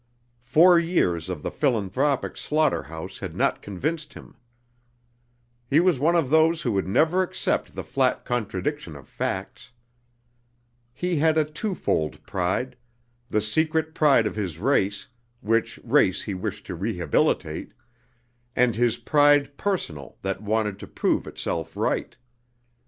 Four years of the philanthropic slaughterhouse had not convinced him. He was one of those who will never accept the flat contradiction of facts. He had a twofold pride, the secret pride of his race, which race he wished to rehabilitate, and his pride personal that wanted to prove itself right.